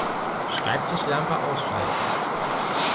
Schreibtischlampe ausschalten